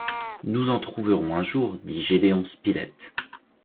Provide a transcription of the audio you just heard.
Nous en trouverons un jour dit Gédéon Spilett.